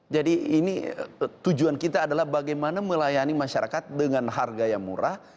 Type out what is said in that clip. jadi ini tujuan kita adalah bagaimana melayani masyarakat dengan harga yang murah